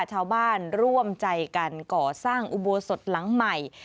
ชาวบ้านร่วมใจกันก่อสร้างอุโบสถหลังใหม่